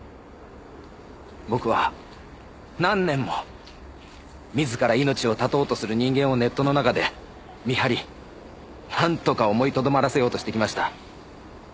僕は何年も自ら命を絶とうとする人間をネットの中で見張りなんとか思いとどまらせようとしてきました。